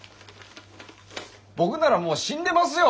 僕ならもう死んでますよ。